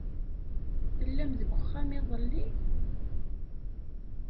Tellam deg uxxam iḍelli?